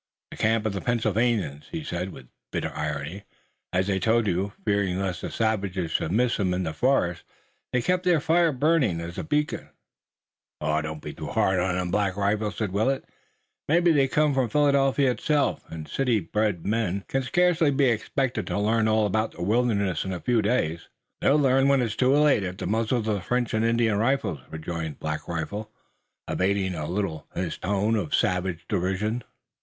"The camp of the Pennsylvanians," he said with bitter irony. "As I told you, fearing lest the savages should miss 'em in the forest they keep their fire burning as a beacon." "Don't be too hard on 'em, Black Rifle," said Willet. "Maybe they come from Philadelphia itself, and city bred men can scarcely be expected to learn all about the wilderness in a few days." "They'll learn, when it's too late, at the muzzles of the French and Indian rifles," rejoined Black Rifle, abating a little his tone of savage derision.